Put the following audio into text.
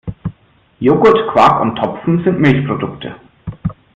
Joghurt, Quark und Topfen sind Milchprodukte.